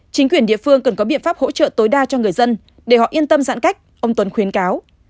chính quyền địa phương cần có biện pháp hỗ trợ tối đa cho người dân để họ yên tâm giãn cách ông tuấn khuyến cáo